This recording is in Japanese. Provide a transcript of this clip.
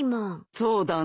そうだね。